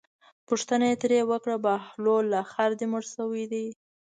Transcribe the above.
پوښتنه یې ترې وکړه بهلوله خر دې مړ شوی دی.